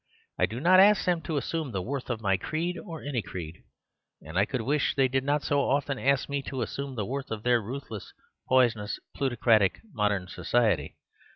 I do not ask them to assume the worth of my creed or any creed ; and I could wish they did not so often ask me to assume the worth of their worthless, poisonous plutocratic modern society.